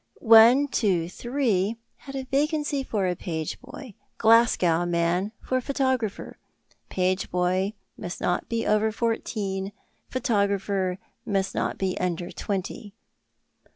"123" had a vacancy for a page boy, "Glasgow Man" for a photographer; page boy must not be over fourteen, photographer must not be under twenty.